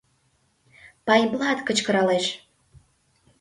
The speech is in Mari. — Пайблат кычкыралеш.